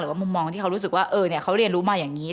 หรือว่ามุมมองที่เขารู้สึกว่าเออเนี่ยเขาเรียนรู้มาอย่างนี้